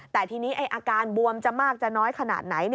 แต่ทีนี้อาการบวมจะมากจะน้อยขนาดไหน